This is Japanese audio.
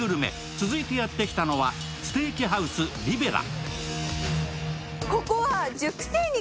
続いてやってきたのは、ステーキハウスリベラ。